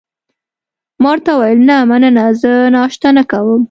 ما ورته وویل: نه، مننه، زه ناشته نه کوم.